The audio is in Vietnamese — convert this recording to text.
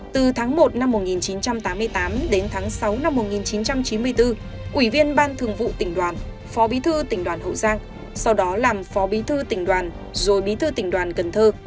từ tháng một năm một nghìn chín trăm tám mươi tám đến tháng sáu năm một nghìn chín trăm chín mươi bốn ủy viên ban thường vụ tỉnh đoàn phó bí thư tỉnh đoàn hậu giang sau đó làm phó bí thư tỉnh đoàn rồi bí thư tỉnh đoàn cần thơ